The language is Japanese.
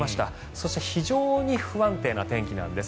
そして非常に不安定な天気なんです。